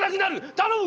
頼む！